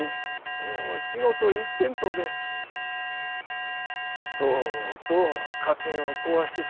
もう仕事一辺倒でとうとう家庭を壊してしもうて。